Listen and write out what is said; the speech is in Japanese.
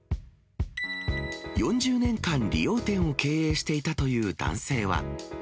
４０年間、理容店を経営していたという男性は。